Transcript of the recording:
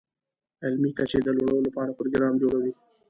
علمي کچې د لوړولو لپاره پروګرام جوړوي.